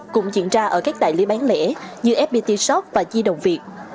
cũng diễn ra ở các tại lý bán lễ như fpt shop và di đồng việt